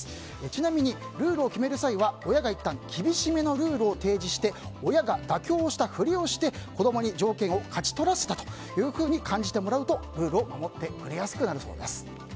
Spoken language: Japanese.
ちなみに、ルールを決める際は親がいったん厳しめのルールを提示して親が妥協をしたふりをして子供に条件を勝ち取らせたと感じてもらうとルールを守ってくれやすくなるそうです。